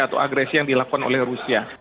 atau agresi yang dilakukan oleh rusia